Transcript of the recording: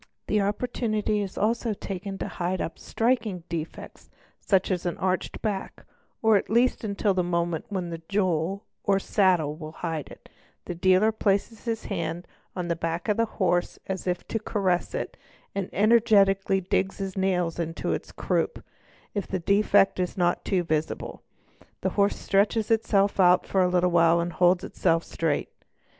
'The opportunity is also taken to hide up striking defects, such us an arched back, at least until the moment when the jool or saddle will hide it; the dealer places his hand on the back of the horse as if to— caress it and energetically digs his nails into its croup and, if the defect is — not too visible, the horse stretches itself out for a little while and holds itself up straight.